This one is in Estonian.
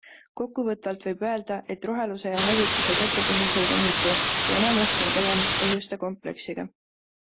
Kokkuvõtvalt võib öelda, et roheluse ja hallituse tekepõhjuseid on mitu ja enamasti on tegemist põhjuste kompleksiga.